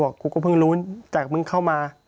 พี่เรื่องมันยังไงอะไรยังไง